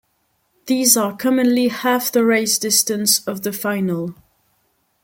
These are commonly half the race distance of the final.